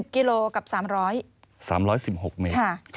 กิโลกับ๓๑๖เมตร